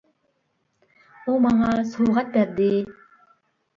- ئۇ ماڭا سوۋغات بەردى!